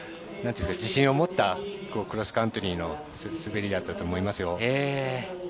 自信を持ったクロスカントリーの滑りだったと思いますよ。